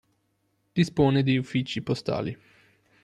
Dispone di uffici postali.